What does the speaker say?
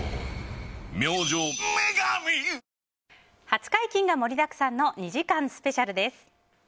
初解禁が盛りだくさんの２時間スペシャルです。